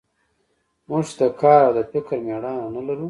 موږ چې د کار او د فکر مېړانه نه لرو.